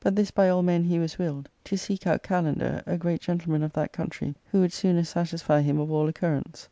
this by all men he was willed, to seek out Kalander, a great gentleman of that country, who would soonest satisfy him of all occurrents.